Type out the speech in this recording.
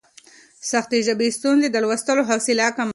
سختې ژبې ستونزې د لوستلو حوصله کموي.